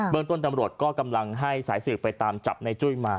เมืองต้นตำรวจก็กำลังให้สายสืบไปตามจับในจุ้ยมา